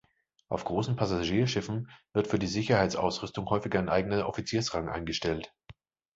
Auf großen Passagierschiffen wird für die Sicherheitsausrüstung häufig ein eigener Offiziersrang eingestellt.